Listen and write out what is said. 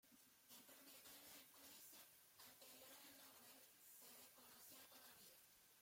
El propietario del códice –anterior a Nowell– se desconoce todavía.